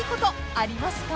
［ありますか？］